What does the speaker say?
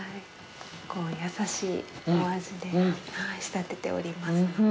優しいお味で仕立てておりますので。